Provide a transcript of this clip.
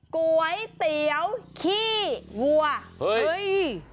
ก๋วยเตี๋ยวขี้วัวเฮ้ย